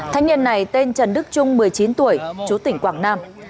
thanh niên này tên trần đức trung một mươi chín tuổi chú tỉnh quảng nam